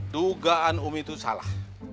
dugaan umi tuh salah